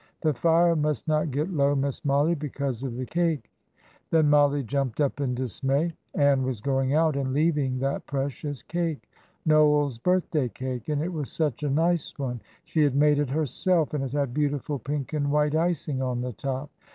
"The fire must not get low, Miss Mollie, because of the cake." Then Mollie jumped up in dismay. Ann was going out, and leaving that precious cake Noel's birthday cake and it was such a nice one! She had made it herself, and it had beautiful pink and white icing on the top.